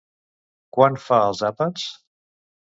Quan fa els àpats?